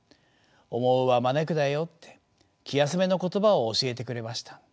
「思うは招くだよ」って気休めの言葉を教えてくれました。